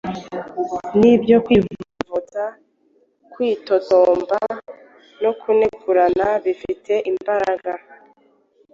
Ni byo kwivovota, kwitotomba, no kunegurana bifite imbaraga –